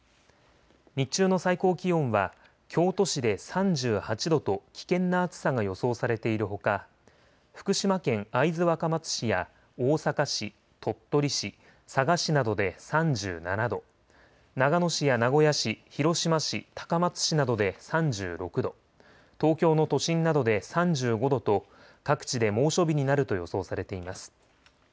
日中の最高気温は京都市で３８度と危険な暑さが予想されているほか福島県会津若松市や大阪市、鳥取市、佐賀市などで３７度、長野市や名古屋市、広島市、高松市などで３６度、東京の都心などで３５度と各地で猛暑日になると予想されています。